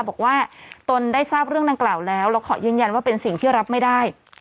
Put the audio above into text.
ตนได้ทราบเรื่องดังกล่าวแล้วแล้วขอยืนยันว่าเป็นสิ่งที่รับไม่ได้